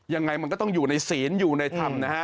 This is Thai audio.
ยังไงมันก็ต้องอยู่ในศีลอยู่ในธรรมนะฮะ